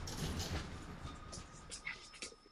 Používá přezdívku Dan.